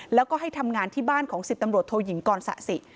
แล้วก็ให้ทำงานที่บ้านของ๑๐ตำรวจโทยิงกรสะสิ